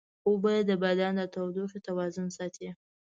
اوبه د بدن د تودوخې توازن ساتي